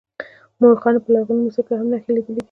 مورخانو په لرغوني مصر کې هم نښې لیدلې دي.